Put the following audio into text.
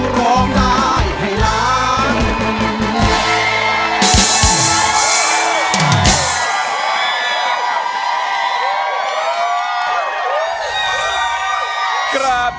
ร้องได้ให้ล้าน